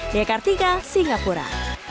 dekar tiga singapura